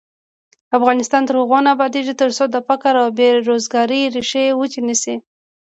افغانستان تر هغو نه ابادیږي، ترڅو د فقر او بې روزګارۍ ریښې وچې نشي.